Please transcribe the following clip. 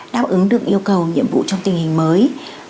đáp ứng được yêu cầu nhiệm vụ trong tình hình mới